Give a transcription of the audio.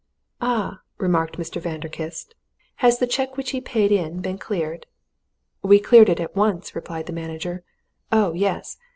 "Ah!" remarked Mr. Vanderkiste. "Has the cheque which he paid in been cleared?" "We cleared it at once," replied the manager. "Oh, yes!